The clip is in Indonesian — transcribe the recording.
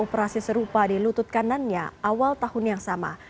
operasi serupa di lutut kanannya awal tahun yang sama